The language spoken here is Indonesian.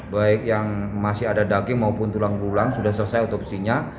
baik yang masih ada daging maupun tulang tulang sudah selesai otopsinya